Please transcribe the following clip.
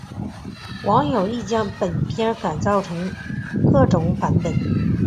网友亦将本片改编成各种版本。